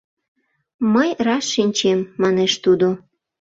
— Мый раш шинчем, — манеш тудо.